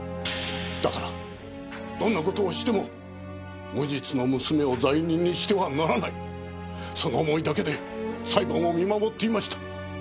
だからどんな事をしても無実の娘を罪人にしてはならないその思いだけで裁判を見守っていました。